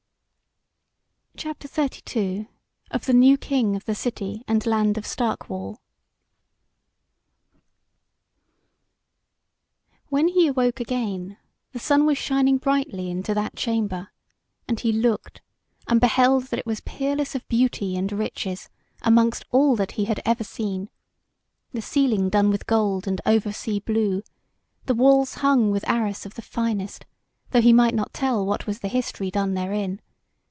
CHAPTER XXXII: OF THE NEW KING OF THE CITY AND LAND OF STARK WALL When he awoke again the sun was shining brightly into that chamber, and he looked, and beheld that it was peerless of beauty and riches, amongst all that he had ever seen: the ceiling done with gold and over sea blue; the walls hung with arras of the fairest, though he might not tell what was the history done therein.